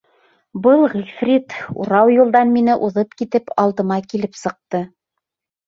Был ғифрит, урау юлдан мине уҙып китеп, алдыма килеп сыҡты.